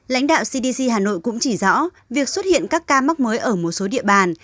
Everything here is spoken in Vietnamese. lãnh đạo cdc hà nội cũng chỉ rõ việc xuất hiện các ca mắc mới ở một số địa bàn